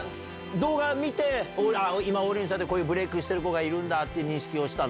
動画見て、今、王林ちゃんって、こういうブレークしている子がいるんだって認識をしたの？